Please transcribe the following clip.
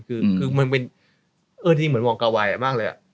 คือมันเป็นเออจริงเหมือนวงกะวายมากเลยอะ